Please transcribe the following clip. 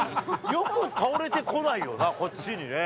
よく倒れてこないよな、こっちにね。